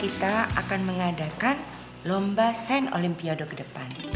kita akan mengadakan lomba saint olympiado ke depan